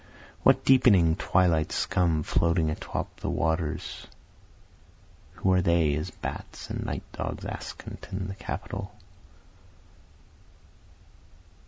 What deepening twilight scum floating atop of the waters, Who are they as bats and night dogs askant in the capitol?